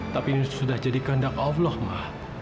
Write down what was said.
tapi ini sudah jadi kandang allah ma